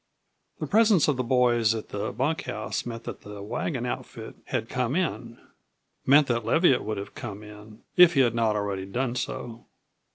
The presence of the boys at the bunkhouse meant that the wagon outfit had come in meant that Leviatt would have to come in if he had not already done so.